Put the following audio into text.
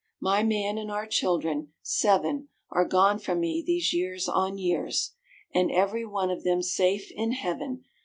My man and our childher seven Are gone from me these years on years, And every one of them safe in Heaven.